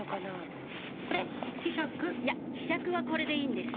いやひしゃくはこれでいいんです